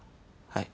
はい？